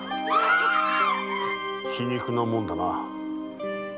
皮肉なもんだな。